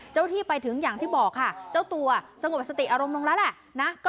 เจ้าที่ไปถึงอย่างที่บอกเจ้าตัวสมมุติอารมณ์ลงแล้ว